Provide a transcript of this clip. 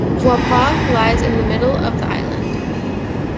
Vaipoa lies in the middle of the island.